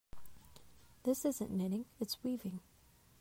This isn't knitting, its weaving.